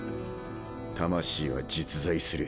「魂は実在する。